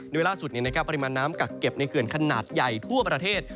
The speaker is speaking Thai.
โดยล่าสุดปริมาณน้ำกักเก็บในเขื่อนขนาดใหญ่ทั่วประเทศ